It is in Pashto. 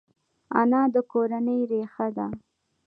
انا د کورنۍ ریښه ده